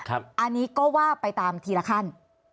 อันนี้ก็ว่าไปตามทีละขั้น